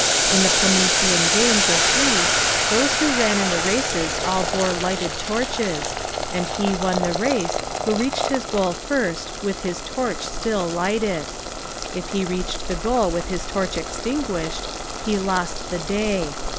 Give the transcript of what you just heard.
In the Promethean games of Greece those who ran in the races all bore light^ torches, and he won the race who reached the goal first with his torch still lighted. If he reached THE WAR CLOUD 827 the goal with his torch extinguished he lost the day.